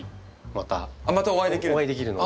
またお会いできるの。